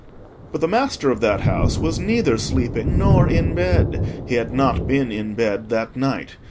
But the master of that house was neither sleeping nor in bed; he had not been in bed that night.